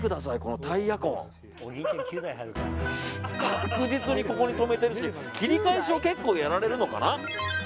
確実にここに止めているし切り返しも結構やられるのかな。